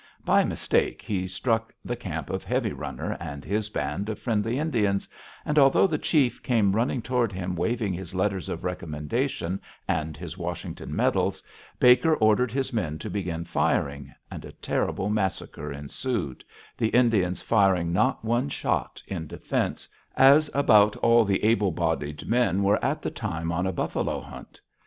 By mistake he struck the camp of Heavy Runner and his band of friendly Indians, and, although the chief came running toward him waving his letters of recommendation and his Washington medals, Baker ordered his men to begin firing, and a terrible massacre ensued, the Indians firing not one shot in defense, as about all the able bodied men were at the time on a buffalo hunt.